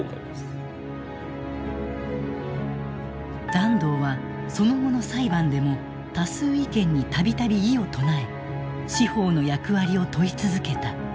團藤はその後の裁判でも多数意見に度々異を唱え司法の役割を問い続けた。